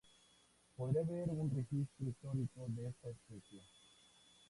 Podría haber un registro histórico de esta especie.